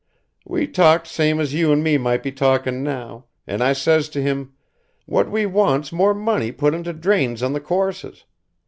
We talked same as you and me might be talkin' now, and I says to him: 'What we want's more money put into drains on the courses.